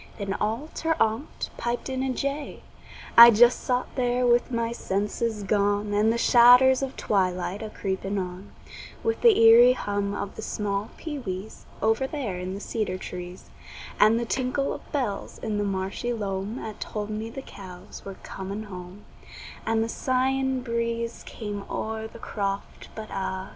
Then all ter onct piped in a jay. I just sot there with my senses gone, And the shadders of twilight a creepin' on, With the eerie hum of the small pee wees, Over there in the cedar trees, And the tinkle of bells in the marshy loam 'At told me the cows were coming home, And the sighing breeze came o'er the croft, But ah!